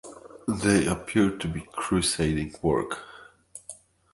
They appear to be Crusading work.